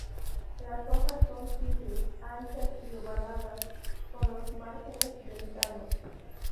Las hojas son simples, anchas y ovaladas, con los márgenes dentados.